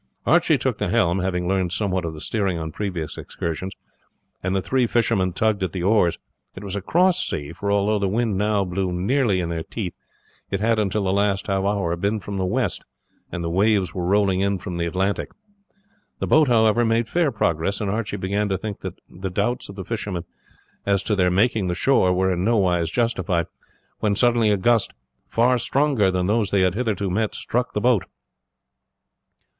Archie took the helm, having learned somewhat of the steering on previous excursions, and the three fishermen tugged at the oars. It was a cross sea, for although the wind now blew nearly in their teeth, it had until the last half hour been from the west, and the waves were rolling in from the Atlantic. The boat, however, made fair progress, and Archie began to think that the doubts of the fishermen as to their making the shore were in no wise justified, when suddenly a gust, far stronger than those they had hitherto met, struck the boat.